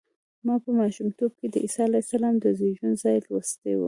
ما په ماشومتوب کې د عیسی علیه السلام د زېږون ځای لوستی و.